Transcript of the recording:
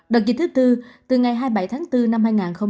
đợt dịch thứ tư từ ngày hai mươi bảy tháng bốn năm hai nghìn hai mươi